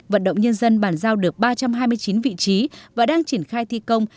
vận động nhân dân bàn giao được ba trăm hai mươi chín vị trí và đang triển khai thi công